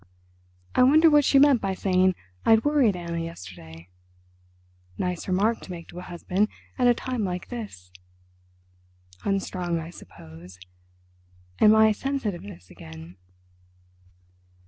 I wonder what she meant by saying I'd worried Anna yesterday. Nice remark to make to a husband at a time like this. Unstrung, I suppose—and my sensitiveness again."